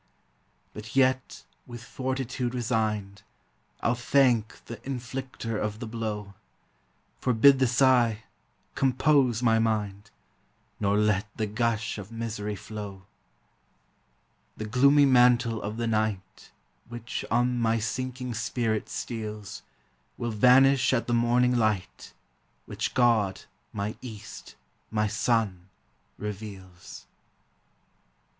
But xot, with fortitude resigned, I '11 thank the intlicter of the blow; Forbid the sigh, compose my mind, Nor let the gush of misery How. The gloomy mantle of the night, Which on my sinking spirit steals, Will vanish at the morning light, Which God, my east, my sun, reveals.